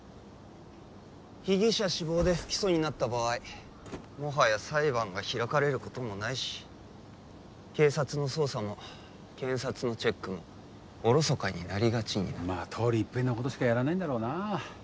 被疑者死亡で不起訴になった場合もはや裁判が開かれることもないし警察の捜査も検察のチェックもおろそかになりがちになるまあとおりいっぺんのことしかやらないんだろうなあ